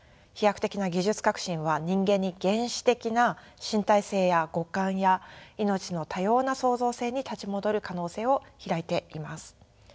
飛躍的な技術革新は人間に原始的な身体性や五感や命の多様な創造性に立ち戻る可能性を開いています。